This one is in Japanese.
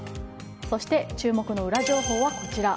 そして注目のウラ情報はこちら。